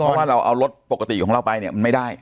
เพราะว่าเราเอารถปกติของเราไปเนี่ยมันไม่ได้